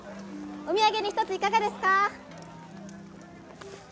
お土産に一ついかがですか？